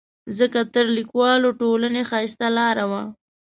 ځکه تر لیکوالو ټولنې ښایسته لاره وه.